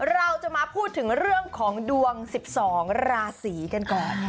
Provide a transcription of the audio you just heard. เราจะมาพูดถึงเรื่องของดวง๑๒ราศีกันก่อน